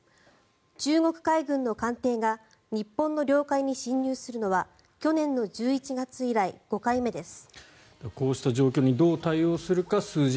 中国海軍の艦艇が日本の領海に侵入するのは去年の１１月以来５回目です。